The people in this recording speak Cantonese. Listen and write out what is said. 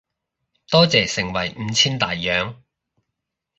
多謝盛惠五千大洋